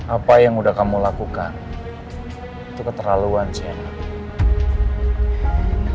apa yang udah kamu lakukan itu keterlaluan sienna